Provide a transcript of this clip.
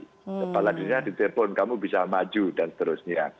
kepala dinas di telpon kamu bisa maju dan seterusnya